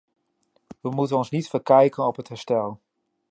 We moeten ons niet verkijken op het herstel.